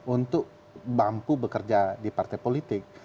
untuk mampu bekerja di partai politik